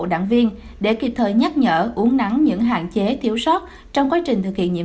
đảng viên để kịp thời nhắc nhở uống nắng những hạn chế thiếu sót trong quá trình thực hiện nhiệm